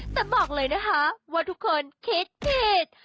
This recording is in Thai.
แต่บอกเลยนะคะว่าทุกคนคิดผิด